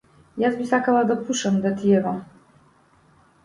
Јас би сакал да пушам, да ти ебам.